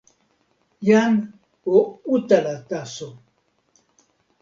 jan o utala taso.